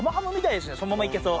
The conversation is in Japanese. そのままいけそう。